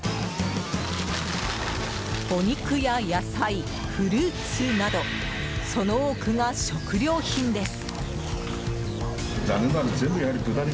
お肉や野菜、フルーツなどその多くが食料品です。